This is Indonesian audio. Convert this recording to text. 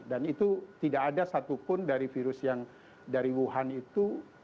dan itu tidak ada satupun dari virus yang dari wuhan itu